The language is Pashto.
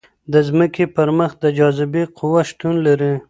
د ځمکې پر مخ د جاذبې قوه شتون لري.